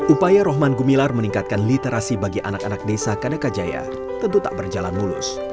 upaya rohman gumilar meningkatkan literasi bagi anak anak desa kadakajaya tentu tak berjalan mulus